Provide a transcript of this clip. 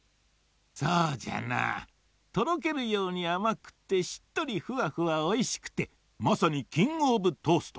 そうじゃなとろけるようにあまくってしっとりふわふわおいしくてまさにキング・オブ・トースト。